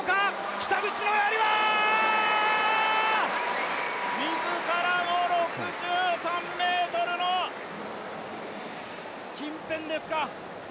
北口のやりはー、自らの６３ｍの近辺ですか。